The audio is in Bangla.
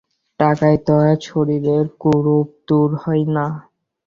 টাকায় তো আর শরীরের কুরূপ দূর হয় না।